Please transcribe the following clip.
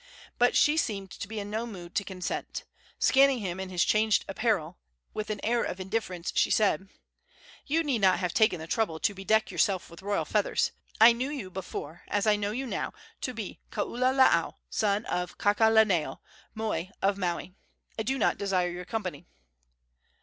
But she seemed to be in no mood to consent. Scanning him in his changed apparel, with an air of indifference she said: "You need not have taken the trouble to bedeck yourself with royal feathers. I knew you before, as I know you now, to be Kaululaau, son of Kakaalaneo, moi of Maui. I do not desire your company."